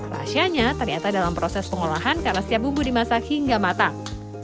rahasianya ternyata dalam proses pengolahan karena setiap bumbu dimasak hingga matang